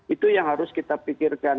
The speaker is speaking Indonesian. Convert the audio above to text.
itu yang harus kita pikirkan